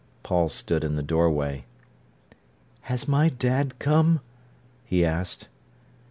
Paul stood in the doorway. "Has my dad come?" he asked.